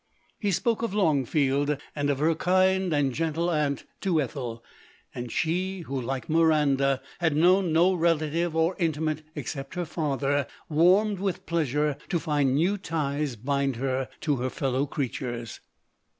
He spoke of Longfleld, and of her kind and gentle i.odori.. 249 aunt to Ethel, and she, who, like Miranda, had known no relative or intimate except her father, warmed with pleasure to find new ties bind her to her fellow creatures.